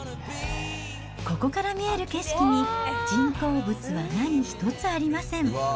ここから見える景色に、人工物は何一つありません。